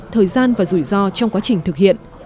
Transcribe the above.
thời gian và rủi ro trong quá trình thực hiện